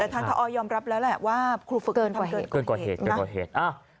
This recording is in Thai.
แต่ทางทออยยอมรับแล้วแหละว่าครูฟึกทำเกินกว่าเหตุ